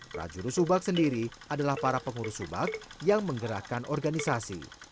prajurus subak sendiri adalah para pengurus subak yang menggerakkan organisasi